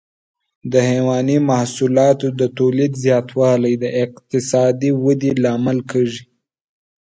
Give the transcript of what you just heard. د حيواني محصولاتو د تولید زیاتوالی د اقتصادي ودې لامل کېږي.